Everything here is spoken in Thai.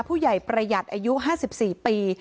ผู้ใหญ่ประหยัดอายุ๕๔นะครับ